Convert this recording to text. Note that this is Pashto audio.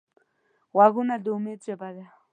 غوږونه د امید ژبه ده